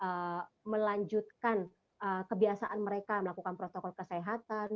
masuk sekolah ini melanjutkan kebiasaan mereka melakukan protokol kesehatan